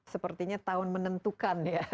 sepertinya tahun menentukan